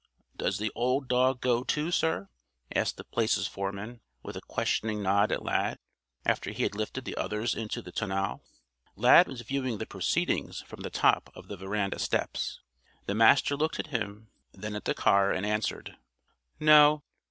"Does the Old Dog go, too, sir?" asked The Place's foreman, with a questioning nod at Lad, after he had lifted the others into the tonneau. Lad was viewing the proceedings from the top of the veranda steps. The Master looked at him, then at the car, and answered: "No.